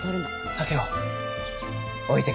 竹雄置いてくぞ。